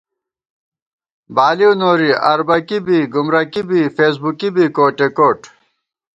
بالِؤ نوری اربَکی بی گُمرَکی بی فېسبُکی بی کوٹے کوٹ